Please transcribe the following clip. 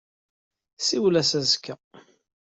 Siwel-as azekka.